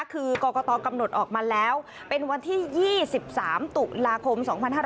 คือกรกตกำหนดออกมาแล้วเป็นวันที่๒๓ตุลาคม๒๕๕๙